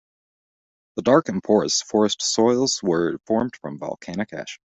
The dark and porous forest soils were formed from volcanic ash.